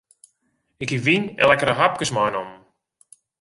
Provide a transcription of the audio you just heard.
Ik hie wyn en lekkere hapkes meinommen.